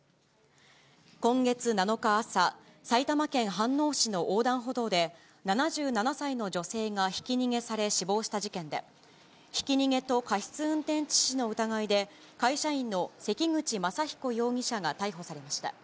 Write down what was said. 今月７日朝、埼玉県飯能市の横断歩道で、７７歳の女性がひき逃げされ、死亡した事件で、ひき逃げと過失運転致死の疑いで、会社員の関口雅彦容疑者が逮捕されました。